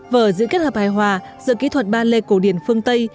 vở giữ kết hợp hài hòa giữa kỹ thuật ballet cổ điển phương tây